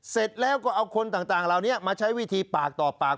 เสร็จแล้วก็เอาคนต่างเหล่านี้มาใช้วิธีปากต่อปาก